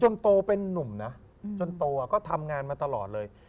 จนโตเป็นนุ่มนะทำงานมาตลอดเลย